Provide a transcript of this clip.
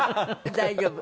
大丈夫。